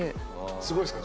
すごいですか？